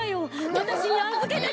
わたしにあずけてくれ！